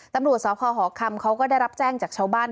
ตำรวจสพหอคำเขาก็ได้รับแจ้งจากชาวบ้าน